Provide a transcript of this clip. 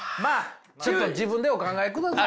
ちょっと自分でお考えください。